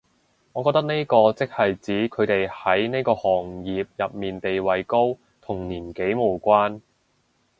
我覺得呢個即係指佢哋喺呢個行業入面地位高，同年紀無關